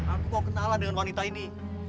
aku kok kenalan dengan wanita ini